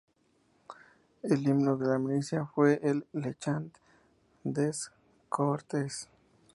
El himno de la Milicia fue el "Le Chant des Cohortes".